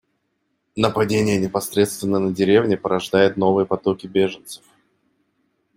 Нападения непосредственно на деревни порождают новые потоки беженцев.